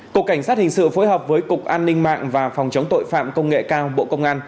cục cảnh sát hình sự phối hợp với cục an ninh mạng và phòng chống tội phạm công nghệ cao bộ công an